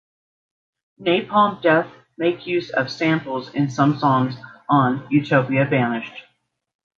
Napalm Death make use of samples in some songs on "Utopia Banished".